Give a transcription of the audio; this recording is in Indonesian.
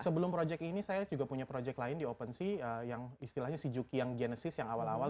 sebelum project ini saya juga punya proyek lain di opensea yang istilahnya si juki yang genesis yang awal awal